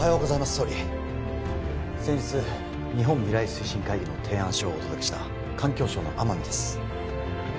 総理先日日本未来推進会議の提案書をお届けした環境省の天海です